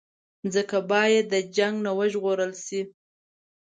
مځکه باید د جنګ نه وژغورل شي.